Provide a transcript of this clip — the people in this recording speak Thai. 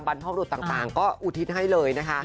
บรรพบรุษต่างก็อุทิศให้เลยนะคะ